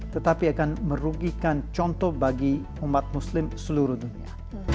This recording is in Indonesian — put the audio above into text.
tetapi akan merugikan contoh bagi umat muslim seluruh dunia